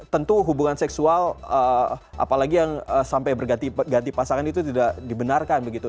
tentu hubungan seksual apalagi yang sampai berganti pasangan itu tidak dibenarkan begitu